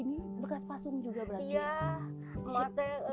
ini bekas pasung juga pak